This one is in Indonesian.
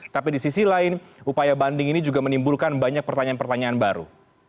tapi di sisi lain upaya banding ini juga menimbulkan banyak pertanyaan pertanyaan baru